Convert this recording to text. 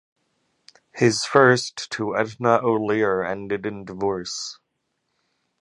His first, to Edna O'Lier, ended in divorce.